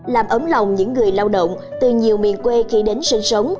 làm ấm lòng những người lao động từ nhiều miền quê khi đến sinh sống